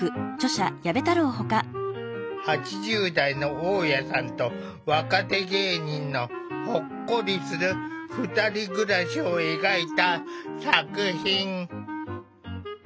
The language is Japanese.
８０代の大家さんと若手芸人のほっこりする２人暮らしを描いた作品。